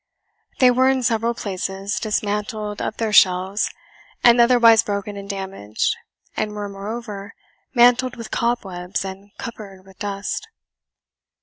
They were, in several places, dismantled of their shelves, and otherwise broken and damaged, and were, moreover, mantled with cobwebs and covered with dust.